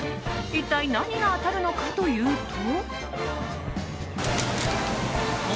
一体何が当たるのかというと。